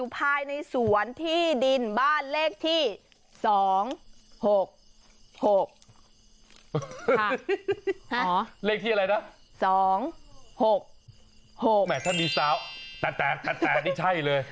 มันไม่ใช่เลย